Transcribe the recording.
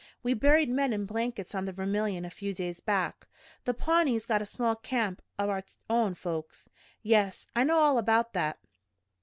"We buried men in blankets on the Vermilion a few days back. The Pawnees got a small camp o' our own folks." "Yes, I know all about that."